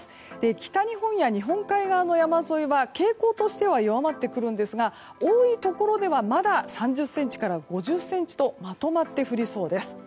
北日本や日本海側の山沿いは傾向としては弱まってくるんですが多いところではまだ３０ｃｍから５０ｃｍとまとまって降りそうです。